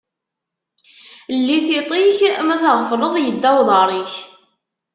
Lli tiṭ-ik, ma tɣefleḍ yedda uḍaṛ-ik.